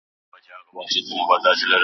سوله د انساني ژوند د کیفیت لوړولو وسیله ده.